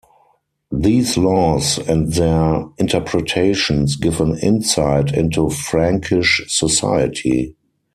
These laws and their interpretations give an insight into Frankish society.